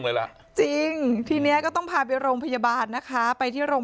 เลยล่ะจริงทีนี้ก็ต้องพาไปโรงพยาบาลนะคะไปที่โรง